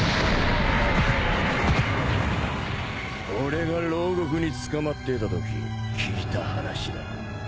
俺がろうごくに捕まっていたとき聞いた話だ。